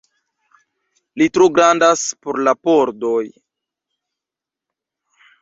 Li tro grandas por la pordoj